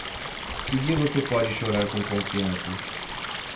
Que dia você pode chorar com confiança?